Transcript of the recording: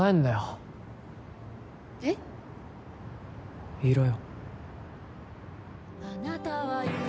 えっ？いろよ。